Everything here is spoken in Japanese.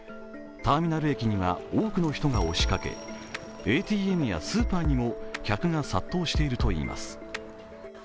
ターミナル駅には多くの人が押しかけ、ＡＴＭやスーパーにも客が殺到しているといいます。